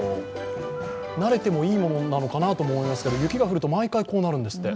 慣れてもいいものなのかなと思いますけど、雪が降ると毎回こうなるんですって。